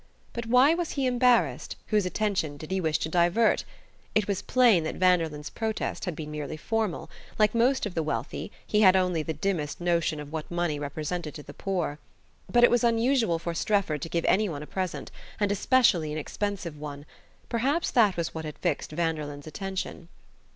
But why was he embarrassed, whose attention did he wish to divert, It was plain that Vanderlyn's protest had been merely formal: like most of the wealthy, he had only the dimmest notion of what money represented to the poor. But it was unusual for Strefford to give any one a present, and especially an expensive one: perhaps that was what had fixed Vanderlyn's attention.